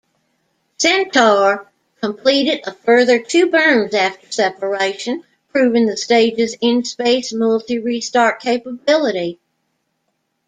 Centaur completed a further two burns after separation, proving the stage's in-space multi-restart capability.